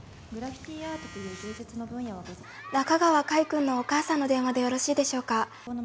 仲川海くんのお母さんの電話でよろしいでしょうか